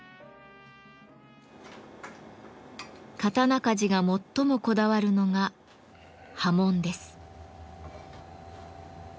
刀鍛冶が最もこだわるのが刃文です。